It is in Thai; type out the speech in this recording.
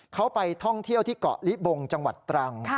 เขาไปท่องเที่ยวที่เกาะลิบงจังหวัดตรัง